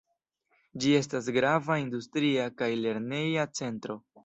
Ĝi estas grava industria kaj lerneja centro.